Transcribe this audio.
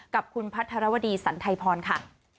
กับคุณพัทรวดีสันไทยพรค่ะ